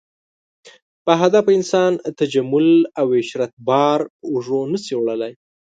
باهدفه انسان تجمل او عشرت بار په اوږو نه شي وړلی.